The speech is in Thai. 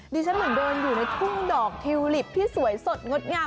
ฉันเหมือนเดินอยู่ในทุ่งดอกทิวลิปที่สวยสดงดงาม